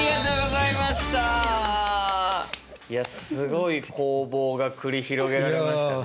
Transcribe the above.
いやすごい攻防が繰り広げられましたね。